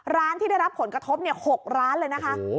ร้านที่ได้รับผลกระทบ๖ร้านเลยนะคะ